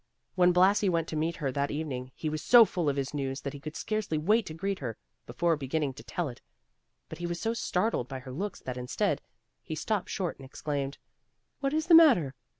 When Blasi went to meet her that evening, he was so full of his news that he could scarcely wait to greet her, before beginning to tell it; but he was so startled by her looks that instead, he stopped short, and exclaimed, "What is the matter?